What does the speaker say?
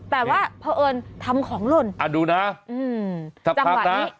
แต่ว่าเพราะเอิญทำของหล่นอ่ะดูนะจังหวะนี้ถ้าพักนะ